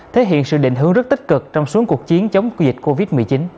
thể hiện sự định hướng rất tích cực trong xuống cuộc chiến chống dịch covid một mươi chín